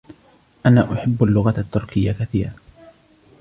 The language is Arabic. أنا أحب اللغة التركية كثيراً.